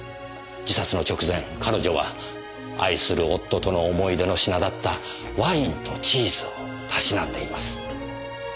自殺の直前彼女は愛する夫との思い出の品だったワインとチーズをたしなんでいます。